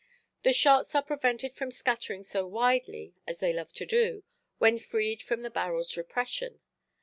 The shots are prevented from scattering so widely as they love to do, when freed from the barrelʼs repression.